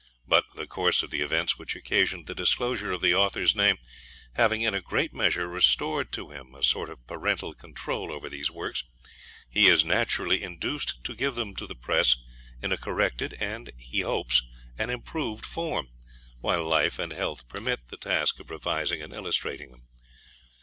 But the course of the events which occasioned the disclosure of the Author's name having, in a great measure, restored to him a sort of parental control over these Works, he is naturally induced to give them to the press in a corrected, and, he hopes, an improved form, while life and health permit the task of revising and illustrating them.